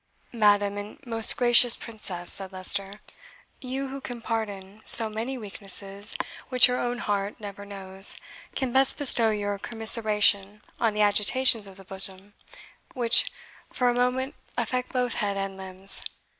"Madam, and most gracious Princess," said Leicester, "you, who can pardon so many weaknesses which your own heart never knows, can best bestow your commiseration on the agitations of the bosom, which, for a moment, affect both head and limbs.